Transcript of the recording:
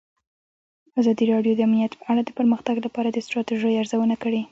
ازادي راډیو د امنیت په اړه د پرمختګ لپاره د ستراتیژۍ ارزونه کړې.